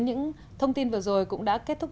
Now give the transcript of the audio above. những thông tin vừa rồi cũng đã kết thúc